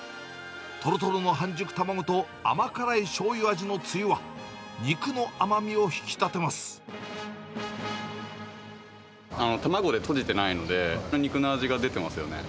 とろとろの半熟卵と甘辛いしょうゆ味のつゆは、肉の甘みを引き立卵でとじてないので、肉の味が出てますよね。